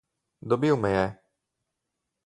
Dobil me je!